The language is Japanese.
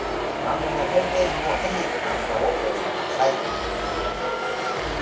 番組のホームページにも是非感想をお寄せください。